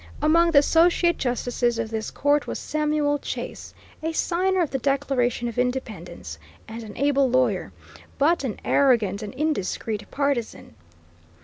Among the associate justices of this court was Samuel Chase, a signer of the Declaration of Independence and an able lawyer, but an arrogant and indiscreet partisan.